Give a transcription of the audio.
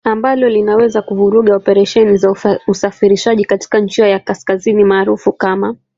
ambalo linaweza kuvuruga operesheni za usafirishaji katika njia ya kaskazini maarufu kama